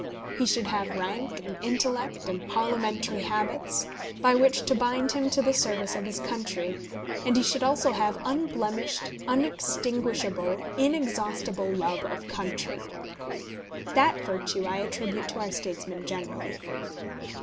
He should have rank, and intellect, and parliamentary habits, by which to bind him to the service of his country; and he should also have unblemished, unextinguishable, inexhaustible love of country. That virtue I attribute to our statesmen generally.